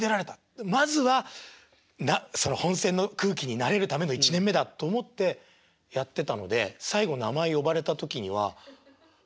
まずはその本選の空気に慣れるための１年目だと思ってやってたので最後名前呼ばれた時には「マジか」